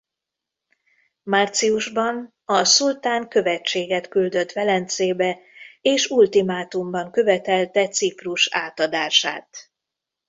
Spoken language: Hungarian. Márciusban a szultán követséget küldött Velencébe és ultimátumban követelte Ciprus átadását.